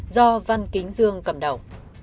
do văn kính dương cầm đầu